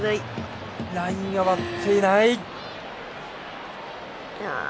ラインは割っていない。